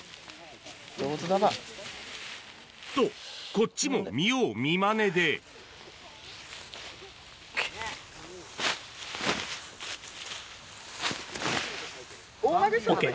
上手だば。と、こっちも見よう見まねで。ＯＫ？